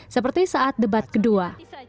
seperti saat debat kedua